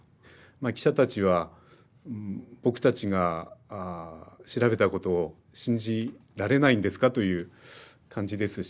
記者たちは「僕たちが調べたことを信じられないんですか？」という感じですし